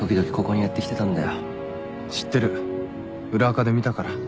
知ってる裏アカで見たから。